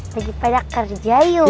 bagi pada kerja yuk